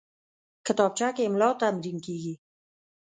کتابچه کې املا تمرین کېږي